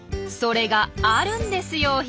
それがあるんですよ